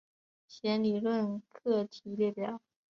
弦理论课题列表。